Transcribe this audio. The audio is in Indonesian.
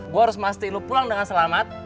gue harus pasti lo pulang dengan selamat